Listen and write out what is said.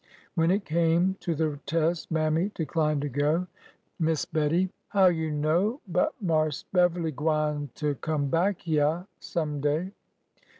When it came to the test. Mammy declined to go. Miss Bettie, how you know but Marse Beverly gwine ter come back hyeah some day?